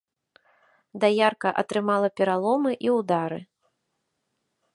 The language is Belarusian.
Даярка атрымалі пераломы і ўдары.